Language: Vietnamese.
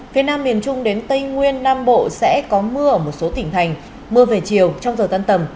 phía nam miền trung đến tây nguyên nam bộ sẽ có mưa ở một số tỉnh thành mưa về chiều trong giờ tan tầm